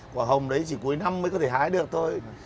quả hồng đấy chỉ cuối năm mới có thể hái được thôi